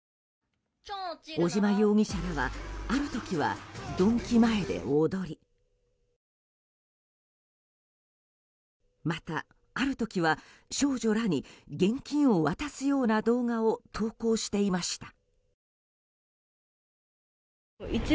尾島容疑者らはある時はドンキ前で踊りまたある時は、少女らに現金を渡すような動画を投稿していました。